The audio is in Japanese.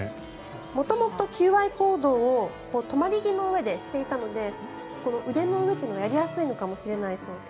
元々、求愛行動を止まり木の上でしていたので腕の上というのはやりやすいかもしれないそうです。